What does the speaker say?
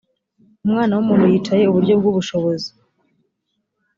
umwana w umuntu yicaye iburyo bw ubushobozi